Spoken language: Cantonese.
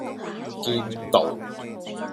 堅道